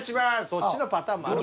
そっちのパターンもある。